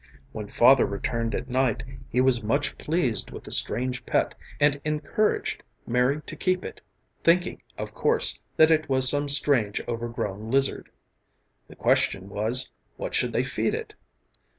When Father returned at night he was much pleased with the strange pet and encouraged Mary to keep it, thinking, of course, that it was some strange overgrown lizard. The question was, what should they feed it?